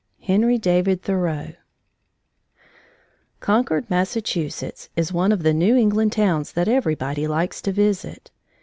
HENRY DAVID THOREAU Concord, Massachusetts, is one of the New England towns that everybody likes to visit.